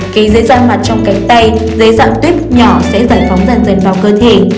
ký dế da mặt trong cánh tay dế dạng tuyết nhỏ sẽ giải phóng dần dần vào cơ thể